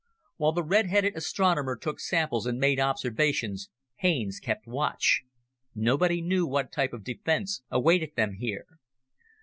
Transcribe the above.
While the redheaded astronomer took samples and made observations, Haines kept watch. Nobody knew what type of defense awaited them here.